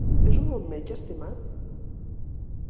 És un bon metge, estimat?